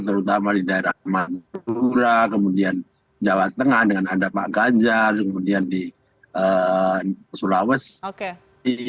terutama di daerah mantura kemudian jawa tengah dengan ada pak ganjar kemudian di sulawesi